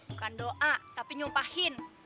bukan doa tapi nyumpahin